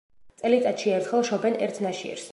წელიწადში ერთხელ შობენ ერთ ნაშიერს.